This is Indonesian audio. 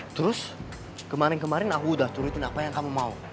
terus kemarin kemarin aku udah turutin apa yang kamu mau